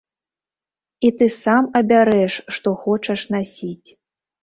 І ты сам абярэш, што хочаш насіць.